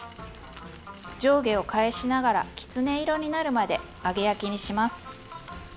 上下を返しながらきつね色になるまで揚げ焼きにします。